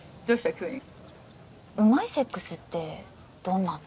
急にうまいセックスってどんなの？